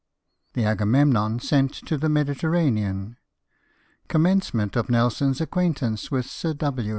The Agamemnon sent to the Mediterranean — Commencement of Nelson's acquaintance with Sir W.